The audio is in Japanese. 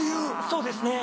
そうですね。